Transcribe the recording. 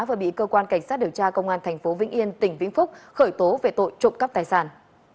và bị cơ quan cảnh sát điều tra công an tp vĩnh yên tỉnh vĩnh phúc khởi tố về tội trộm cắp tài sản